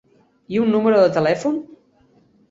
I un número de telèfon.